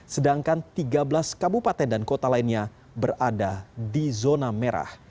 sedangkan tiga belas kabupaten dan kota lainnya berada di zona merah